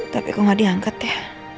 tapi kok gak diangkat ya